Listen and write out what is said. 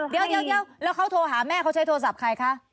เดี๋ยวแล้วเขาโทรหาแม่เขาใช้โทรศัพท์ใครคะ